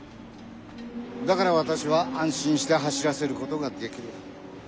だから私は安心して走らせることができる。